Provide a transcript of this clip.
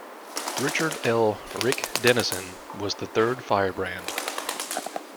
Richard L. "Rick" Dennison was the third Firebrand.